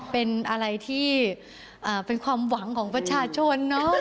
เป็นอะไรที่เป็นความหวังของประชาชนเนอะ